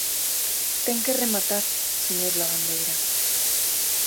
Ten que rematar, señor Lavandeira.